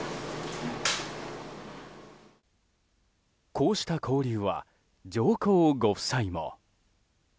こうした交流は上皇ご夫妻も。